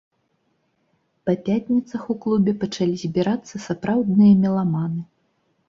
Па пятніцах у клубе пачалі збірацца сапраўдныя меламаны.